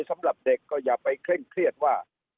สำหรับเด็กก็อย่าไปเคร่งเครียดว่า